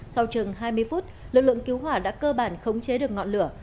sau chừng hai mươi phút lực lượng cứu hỏa đã cơ bản khống chế được ngọn lửa